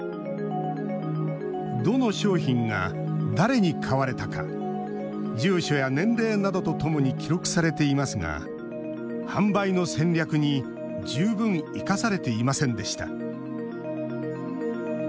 どの商品が誰に買われたか住所や年齢などとともに記録されていますが販売の戦略に十分、生かされていませんでした。